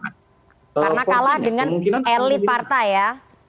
karena kalah dengan elit partai ya